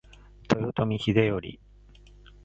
豊臣秀頼